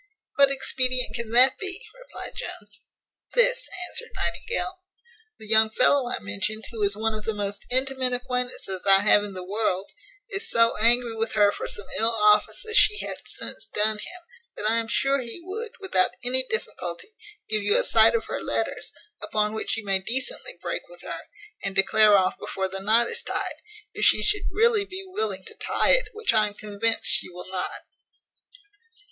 "What expedient can that be?" replied Jones. "This," answered Nightingale. "The young fellow I mentioned, who is one of the most intimate acquaintances I have in the world, is so angry with her for some ill offices she hath since done him, that I am sure he would, without any difficulty, give you a sight of her letters; upon which you may decently break with her; and declare off before the knot is tyed, if she should really be willing to tie it, which I am convinced she will not."